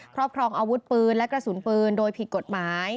ครอบครองอาวุธปืนและกระสุนปืนโดยผิดกฎหมาย